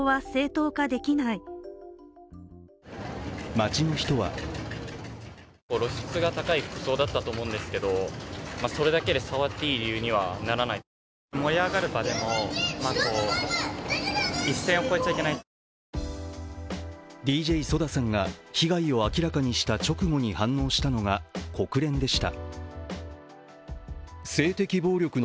街の人はＤＪＳＯＤＡさんが被害を明らかにした直後に反応したのが国連でした。